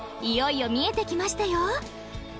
いよいよ見えてきましたよ］